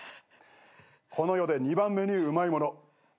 この世で２番目にうまいもの。